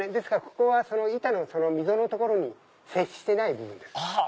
ここは板の溝の所に接してない部分です。